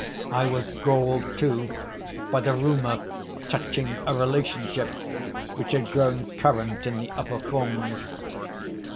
I was galled, too, by the rumor touching a relationship, which had grown current in the upper forms.